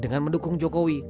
dengan mendukung jokowi